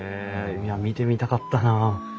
いや見てみたかったなあ。